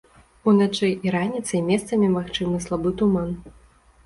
Уначы і раніцай месцамі магчымы слабы туман.